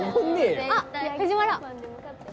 あっ藤原。